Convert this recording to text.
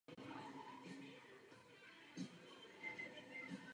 V tom se naprosto shodujeme.